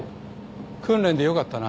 訓練でよかったな。